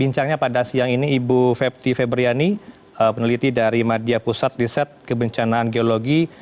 bincangnya pada siang ini ibu fepti febriani peneliti dari media pusat riset kebencanaan geologi